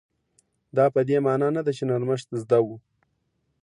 دا په دې مانا نه ده چې نرمښت زده و.